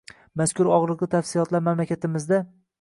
Mazkur og‘riqli tafsilotlar mamlakatimizda